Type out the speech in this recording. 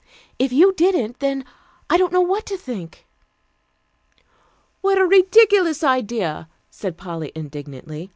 If you didn't, then I don't know what to think." "What a ridiculous idea," said Polly indignantly.